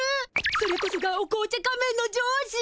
それこそがお紅茶仮面の上司。